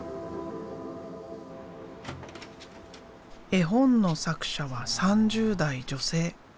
絵本の作者は３０代女性。